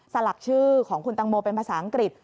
สลักชื่อของคุณตังโมเป็นภาษาอังกฤษ